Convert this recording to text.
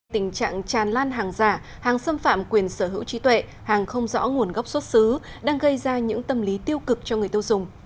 tình trạng tràn lan hàng giả hàng xâm phạm quyền sở hữu trí tuệ hàng không rõ nguồn gốc xuất xứ đang gây ra những tâm lý tiêu cực cho người tiêu dùng